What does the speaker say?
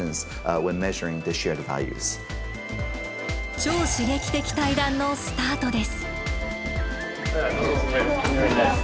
超刺激的対談のスタートです。